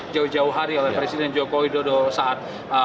jauh jauh hari oleh presiden joko widodo saat